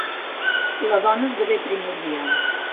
La dona esdevé primordial.